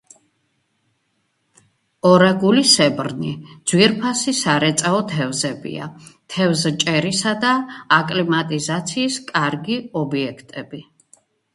ორაგულისებრნი ძვირფასი სარეწაო თევზებია, თევზჭერისა და აკლიმატიზაციის კარგი ობიექტები.